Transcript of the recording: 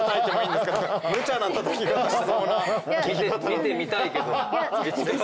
見てみたいけど。